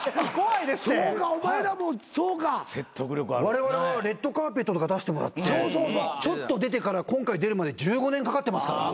われわれは『レッドカーペット』とか出してもらってちょっと出てから今回出るまで１５年かかってますから。